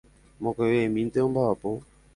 Mokõivemínte ombaʼapo.